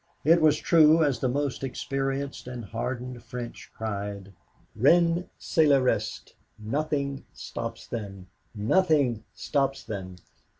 It was true, as the most experienced and hardened French cried, Rien les arreste Nothing stops them! Nothing stops them!